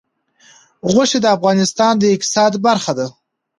غوښې د افغانستان د اقتصاد برخه ده.